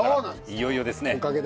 いよいよですね。